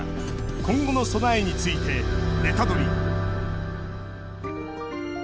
今後の備えについてネタドリ！